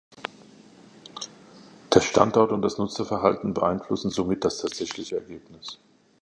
Der Standort und das Nutzerverhalten beeinflussen somit das tatsächliche Ergebnis.